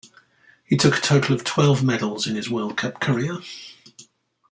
He took a total of twelve medals in his World Cup career.